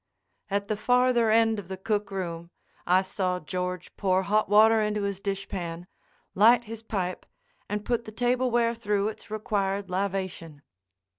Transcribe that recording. At the farther end of the cook room I saw George pour hot water into his dishpan, light his pipe, and put the tableware through its required lavation.